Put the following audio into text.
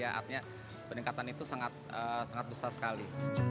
artinya peningkatan itu sangat besar sekali